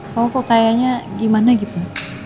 kamu kok kayaknya gimana gitu